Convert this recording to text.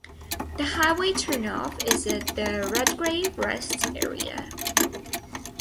The highway turnoff is at the Redgrave Rest Area.